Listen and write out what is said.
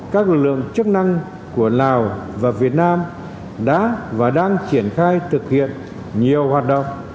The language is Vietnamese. các lực lượng chức năng của lào và việt nam đã và đang triển khai thực hiện nhiều hoạt động